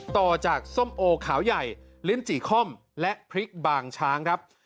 ต่อจากส้มโอขาวใหญ่ลิ้นจี่ค่อมและพริกบางช้างครับ